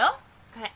これ。